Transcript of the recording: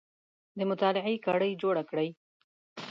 د مطالعې کړۍ جوړې کړئ